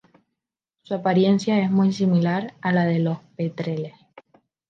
Su apariencia es muy similar a la de los petreles.